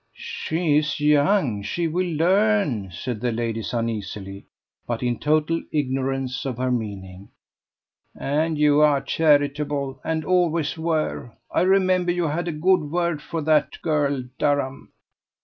"She is young: she will learn," said the ladies uneasily, but in total ignorance of her meaning. "And you are charitable, and always were. I remember you had a good word for that girl Durham."